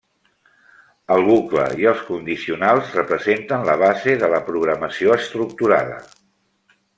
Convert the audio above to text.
El bucle i els condicionals representen la base de la programació estructurada.